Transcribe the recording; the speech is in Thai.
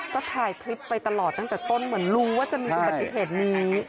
ก็ถ่ายคลิปไปตลอดตั้งแต่ต้นเหมือนรู้ว่าจะมีอุบัติเหตุนี้